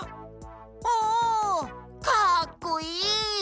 おおかっこいい。